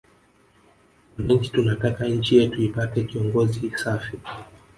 Wananchi tunataka nchi yetu ipate kiongozi safi